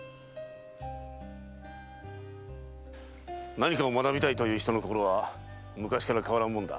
何かを学びたいという人の心は昔から変わらぬものだ。